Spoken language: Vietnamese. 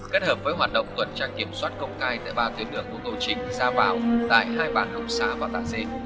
kết hợp với hoạt động chuẩn trang kiểm soát công cai tại ba tuyến đường của cầu chính ra vào tại hai bàn hồng xá và tà dê